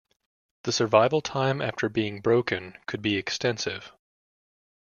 The survival time after being "broken" could be extensive.